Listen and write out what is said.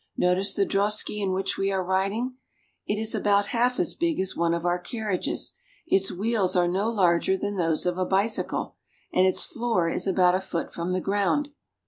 Notice the drosky in which we are riding ; It is about half as big as one of our carriages ; its wheels are no larger than those of a bicycle, and its floor is about a foot from the ground.